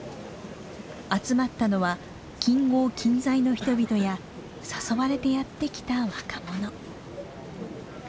集まったのは近郷近在の人々や誘われてやって来た若者。